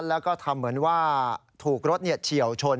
แล้วก็ทำเหมือนว่าถูกรถเฉียวชน